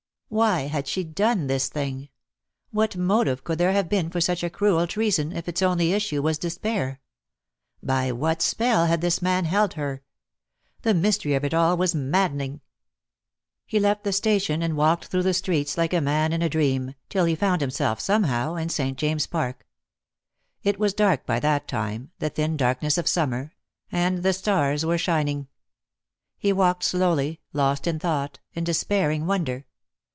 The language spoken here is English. Why had she done this thing? What motive could there have been for such cruel treason, if its only issue was despair? By what spell had this man held her? The mystery of it all was maddening. He left the station, and walked through the streets like a man in a dream, till he found him self somehow in St. James's Park. It was dark by that time, the thin darkness of summer, and the stars were shining. He walked slowly, lost in thought, in despairing wonder.